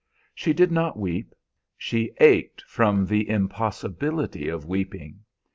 She did not weep. She ached from the impossibility of weeping.